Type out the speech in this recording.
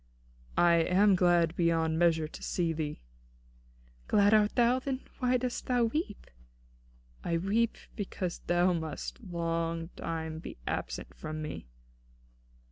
"I am glad beyond measure to see thee." "Glad art thou? Then why dost thou weep?" "I weep because thou must be long time absent from me."